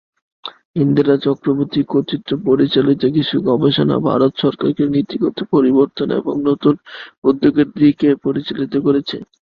ইন্দিরা চক্রবর্তী কর্তৃক পরিচালিত কিছু গবেষণা ভারত সরকারকে নীতিগত পরিবর্তন এবং নতুন উদ্যোগের দিকে পরিচালিত করেছে।